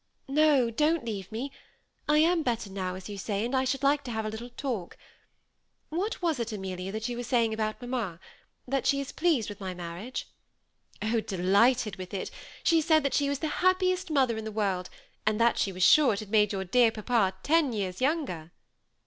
" No, don't leave me ; I am better now, as you say, and I should like to have a little talk. What was it, THE SEMI ATTACHED COUPLE. 27 Amelia, that you were saying aboat mamma — that she is pleased with my marriage ?'' ^'Oh! delighted with it; she sAid that she was the happiest mother in the world, and that she was sure it had made dear papa ten years younger."